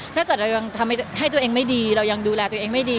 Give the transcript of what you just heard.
ถ้าเกิดเรายังทำให้ตัวเองไม่ดีเรายังดูแลตัวเองไม่ดี